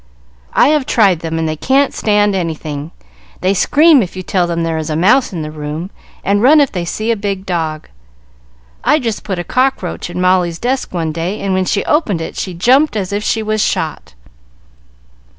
"I have tried them, and they can't stand anything. They scream if you tell them there is a mouse in the room, and run if they see a big dog. I just put a cockroach in Molly's desk one day, and when she opened it she jumped as if she was shot."